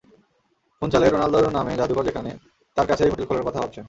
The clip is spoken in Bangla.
ফুঞ্চালে রোনালদোর নামে জাদুঘর যেখানে, তার কাছেই হোটেল খোলার কথা ভাবছেন।